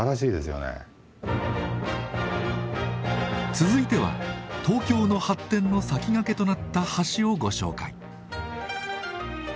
続いては東京の発展の先駆けとなった橋をご紹介。